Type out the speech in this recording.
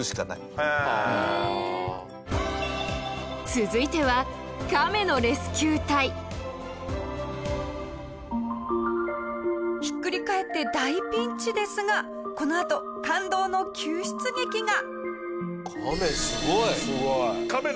続いては、中国カメのレスキュー隊下平：ひっくり返って大ピンチですがこのあと、感動の救出劇が。